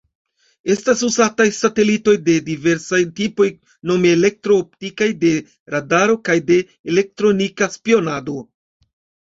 Estas uzataj satelitoj de diversaj tipoj, nome elektro-optikaj, de radaro kaj de elektronika spionado.